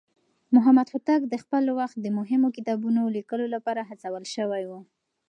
محمد هوتک د خپل وخت د مهمو کتابونو ليکلو لپاره هڅول شوی و.